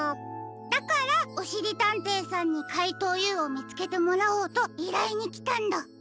だからおしりたんていさんにかいとうＵをみつけてもらおうといらいにきたんだ。